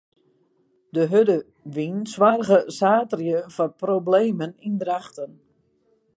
De hurde wyn soarge saterdei foar problemen yn Drachten.